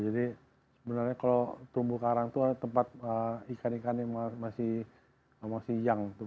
sebenarnya kalau terumbu karang itu ada tempat ikan ikan yang masih yang